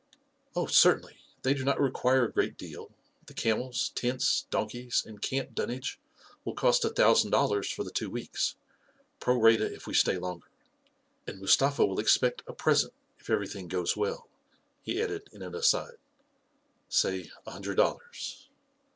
41 Oh, certainly I They do not require a great deal. The camels, tents, donkeys, and camp dun nage will cost a thousand dollars for the two weeks — pro rata if we stay longer. And Mustafa will expect a present if everything goes well," he added in an aside ;" say a hundred dollars."